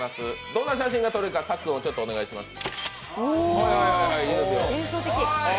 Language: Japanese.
どんな写真が撮れたか、お願いします。